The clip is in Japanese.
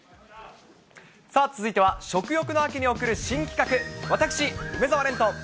さあ、続いては食欲の秋に贈る新企画、私、梅澤廉と。